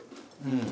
うん。